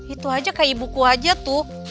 itu aja kayak ibuku aja tuh